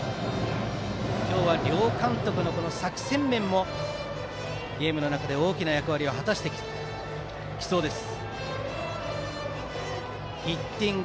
今日は両監督の作戦面もゲームの中で大きな役割を果たしてきそうです。